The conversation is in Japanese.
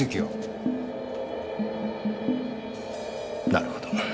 なるほど。